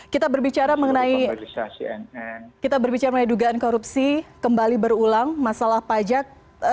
kita berbicara mengenai dugaan korupsi kembali berulang masalah pajak